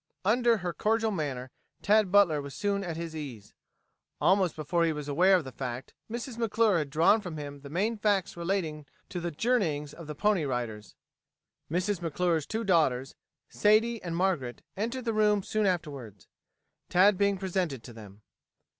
Under her cordial manner Tad Butler was soon at his ease. Almost before he was aware of the fact Mrs. McClure had drawn from him the main facts relating to the journeyings of the Pony Riders. Mrs. McClure's two daughters, Sadie and Margaret, entered the room soon afterwards, Tad being presented to them.